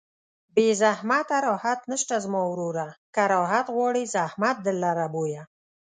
بې زحمته راحت نشته زما وروره که راحت غواړې زحمت در لره بویه